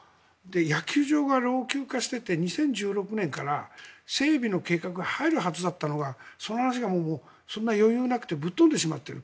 野球場が老朽化していて２０１６年から整備の計画が入るはずだったのがその話が、そんな余裕がなくてぶっ飛んでしまっている。